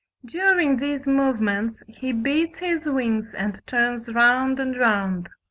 During these movements he beats his wings and turns round and round.